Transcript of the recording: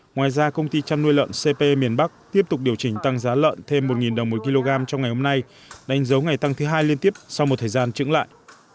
ngoài ra công ty chăn nuôi lợn cp miền bắc tiếp tục điều chỉnh tăng giá lợn thêm một đồng một kg trong ngày hôm nay đánh dấu ngày tăng thứ hai liên tiếp sau một thời gian trứng lại